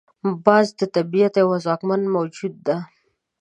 باز د طبیعت یو ځواکمنه موجود ده